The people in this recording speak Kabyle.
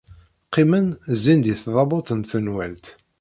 Qqimen, zzin-d i tdabut n tenwalt.